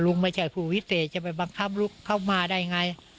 ไม่ใช่ผู้วิเศษจะไปบังคับลูกเข้ามาได้ไง